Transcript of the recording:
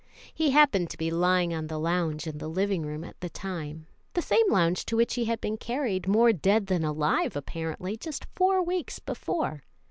He happened to be lying on the lounge in the living room at the time, the same lounge to which he had been carried more dead than alive apparently, just four weeks before.